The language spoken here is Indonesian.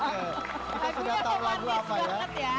eh kita sudah tahu lagu apa ya